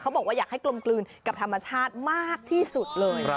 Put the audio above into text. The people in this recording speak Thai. บอกว่าอยากให้กลมกลืนกับธรรมชาติมากที่สุดเลย